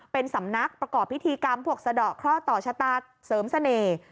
เป็นสำนักประกอบพิธีกรรมพวกสะดอกเคราะห์ต่อชะตาเสริมเสน่ห์